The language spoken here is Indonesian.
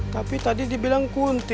tapi tadi dibilang kunti